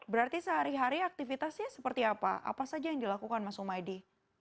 berarti sehari hari aktivitasnya seperti apa apa saja yang dilakukan mas humaydi